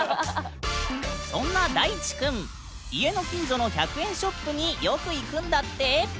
そんな大智くん家の近所の１００円ショップによく行くんだって。